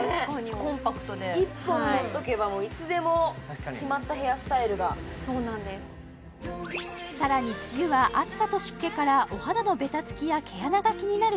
コンパクトで１本持っとけばいつでも決まったヘアスタイルがそうなんですさらに梅雨は暑さと湿気からお肌のベタつきや毛穴が気になる